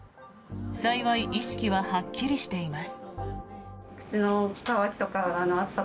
幸い意識ははっきりしています。